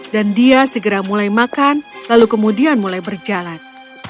dan dia segera mulai makan lalu kemudian mulai berjalan